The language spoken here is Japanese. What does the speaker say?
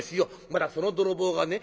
またその泥棒がね